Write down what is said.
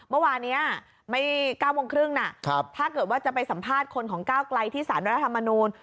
เมื่อวานนี้ไม่๙โมงครึ่งนะถ้าเกิดว่าจะไปสัมภาษณ์คนของก้าวไกลที่สารรัฐธรรมนูล